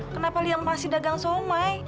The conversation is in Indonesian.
kenapa liam masih dagang somai